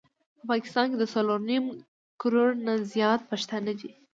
په پاکستان کي د څلور نيم کروړ نه زيات پښتانه دي